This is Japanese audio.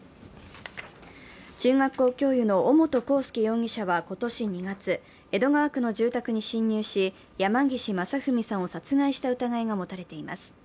中学校教諭の尾本幸祐容疑者は今年２月、江戸川区の住宅に侵入し、山岸正文さんを殺害した疑いが持たれています。